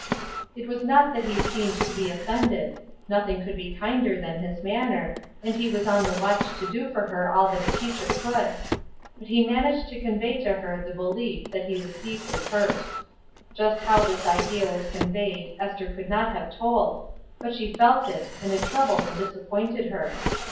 It was not that he seemed to be offended — nothing could be kinder than his manner, and he was on the watch to do for her all that a teacher could. But he managed to convey to her the belief that he was deeply hurt. Just how this idea was con veyed, Esther could not have told, but she felt it, and it troubled and disappointed her.